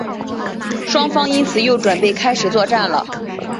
双方因此又准备开始作战了。